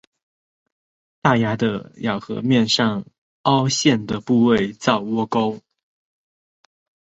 大牙的咬合面上凹陷的部位叫窝沟。